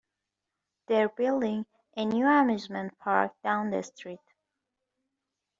They're building a new amusement park down the street.